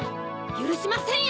ゆるしませんよ！